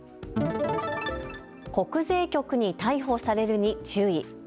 国税局に逮捕されるに注意。